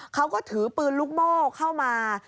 เขาก็ถือปืนลูกโม่เข้ามา